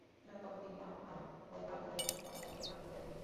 তখন তিনি বাম হাত ও বাহু দ্বারা পতাকাটি আকড়ে ধরলেন।